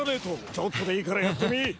ちょっとでいいからやってみ。